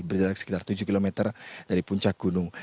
berjarak sekitar tujuh km dari puncak gunung